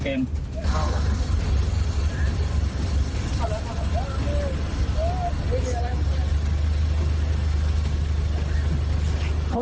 อันนี้มีอะไร